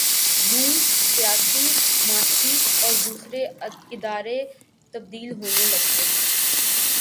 یوں سیاسی، معاشی اور دوسرے ادارے تبدیل ہونے لگتے ہیں۔